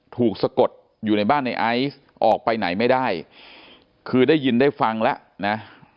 สะกดอยู่ในบ้านในไอซ์ออกไปไหนไม่ได้คือได้ยินได้ฟังแล้วนะ